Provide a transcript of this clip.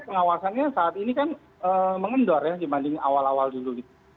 pengawasannya saat ini kan mengendor ya dibanding awal awal dulu gitu